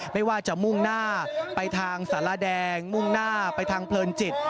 ไม่ว่าจะมุ่งหน้าไปทางสารแดงมุ่งหน้าไปทางเพลินจิต